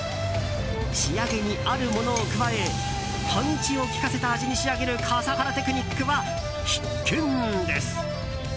仕上げにあるものを加えパンチを利かせた味に仕上げる笠原テクニックは必見です。